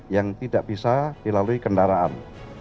yang tidak bisa dilalui kendaraan